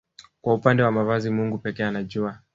Kwa upande wa mavazi Mungu pekee anajua